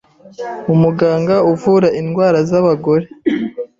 umuganga uvura indwara z’abagore